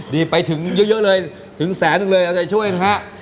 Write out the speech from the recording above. นี่ไปถึงเยอะเลยถึงแสนหนึ่งเลยเอาใจช่วยนะฮะ